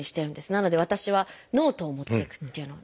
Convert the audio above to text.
なので私はノートを持っていくっていうのを。